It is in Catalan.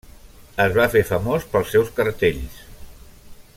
Es va fer famós pels seus cartells.